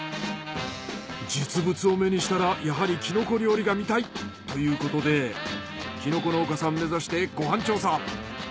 実物を目にしたらやはりキノコ料理が見たい！ということでキノコ農家さん目指してご飯調査！